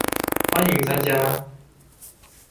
歡迎參加